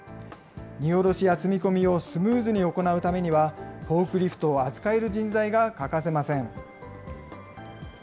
荷降ろしや積み込みをスムーズに行うためには、フォークリフトを扱える人材が欠かせません。